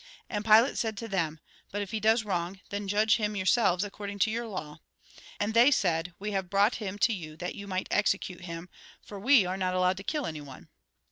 And Pilate said to them :" But if he does wrong, then judge him yourselves according to your law." And they said :" We have brought him to you that you might execute him, for we are not allowed to kill anyone."